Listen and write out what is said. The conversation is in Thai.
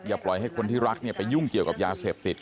ปล่อยให้คนที่รักไปยุ่งเกี่ยวกับยาเสพติด